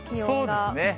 そうですね。